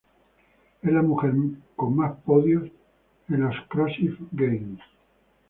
Es la mujer con más podios en los Crossfit Games.